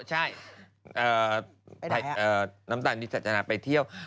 ใช่น้ำตาลนิสัจจนาไปเที่ยว